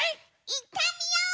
いってみよう！